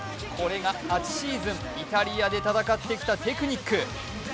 こらが８シーズン、イタリアで戦ってきたテクニック。